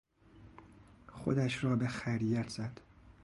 خودش را به خریت زد.